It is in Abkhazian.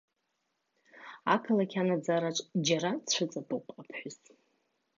Ақалақь анаӡараҿ џьара дцәыҵатәоуп аԥҳәыс.